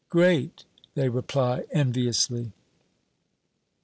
"Great!" they reply enviously.